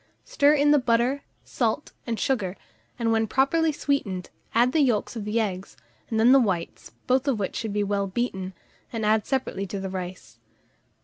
Stir in the butter, salt, and sugar, and when properly sweetened, add the yolks of the eggs, and then the whites, both of which should be well beaten, and added separately to the rice.